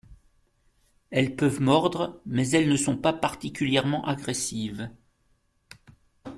Elles peuvent mordre mais elles ne sont pas particulièrement agressives.